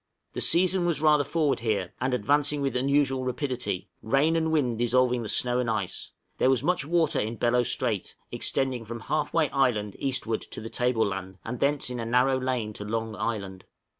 The season was rather forward here, and advancing with unusual rapidity, rain and wind dissolving the snow and ice; there was much water in Bellot Strait, extending from Half way Island eastward to the table land, and thence in a narrow lane to Long Island.